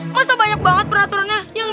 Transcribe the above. masa banyak banget peraturannya ya gak